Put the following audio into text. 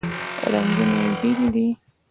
رنګونه یې بیل دي.